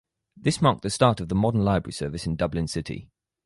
This marked the start of the modern library service in Dublin city.